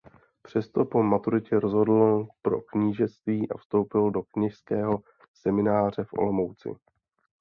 Přesto po maturitě rozhodl pro kněžství a vstoupil do kněžského semináře v Olomouci.